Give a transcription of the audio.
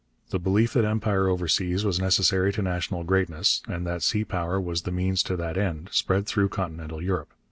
The belief that empire overseas was necessary to national greatness, and that sea power was the means to that end, spread through Continental Europe.